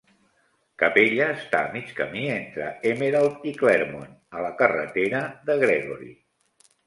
Capella està a mig camí entre Emerald i Clermont a la carretera de Gregory.